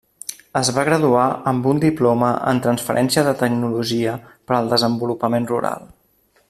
Es va graduar amb un Diploma en Transferència de Tecnologia per al Desenvolupament Rural.